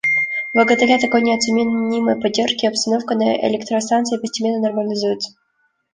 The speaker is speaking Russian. Благодаря такой неоценимой поддержке обстановка на электростанции постепенно нормализуется.